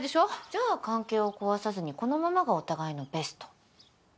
じゃあ関係を壊さずにこのままがお互いのベスト。